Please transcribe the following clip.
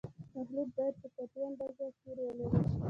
مخلوط باید په کافي اندازه قیر ولري